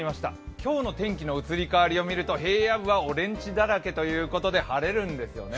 今日の天気の移り変わりを見ると平野部はオレンジだらけということで晴れるんですよね。